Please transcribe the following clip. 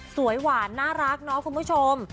สวยหวานน่ารักเนาะคุณผู้ชม